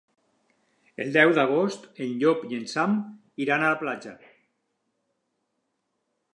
El deu d'agost en Llop i en Sam iran a la platja.